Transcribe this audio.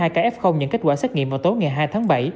chín mươi hai ca f nhận kết quả xét nghiệm vào tối ngày hai tháng bảy